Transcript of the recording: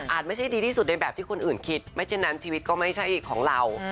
ไม่ใช่ดีที่สุดในแบบที่คนอื่นคิดไม่เช่นนั้นชีวิตก็ไม่ใช่ของเรา